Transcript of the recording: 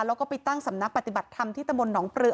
แล้วก็ไปตั้งสำนักปฏิบัติธรรมที่ตะมนตหนองปลือ